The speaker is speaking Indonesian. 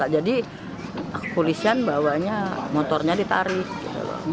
jadi polisian bawanya motornya ditarik